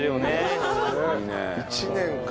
１年か。